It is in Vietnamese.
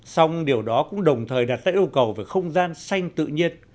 xong điều đó cũng đồng thời đặt ra yêu cầu về không gian xanh tự nhiên